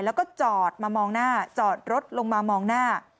แล้วก็จอดมามองหน้าจอดรถลงมามองหน้า